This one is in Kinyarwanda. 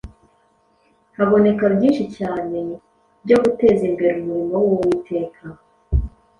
haboneka byinshi cyane byo guteza imbere umurimo w’Uwiteka.